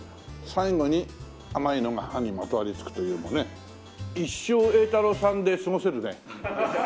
最後に甘いのが歯にまとわりつくというもうね一生榮太樓さんで過ごせるね。